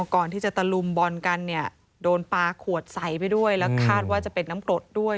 อ๋อก่อนที่จะตะลุมบ่อนกันเนี้ยโดนปลาขวดใสไปด้วยแล้วคาดว่าจะเป็นน้ำโกรธด้วย